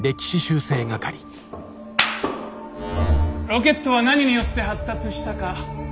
ロケットは何によって発達したか？